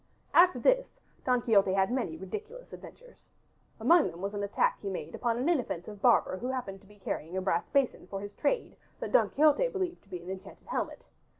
After this Don Quixote had many ridiculous adventures. Among them was an attack he made upon an inoffensive barber who happened to be carrying a brass basin for his trade that Don Quixote believed to be an enchanted helmet.